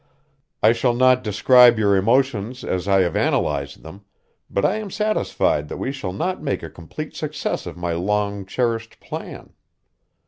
I shall not describe your emotions as I have analyzed them, but I am satisfied that we shall not make a complete success of my long cherished plan.